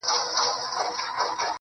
چي د زړکي هره تياره مو روښنايي پيدا کړي~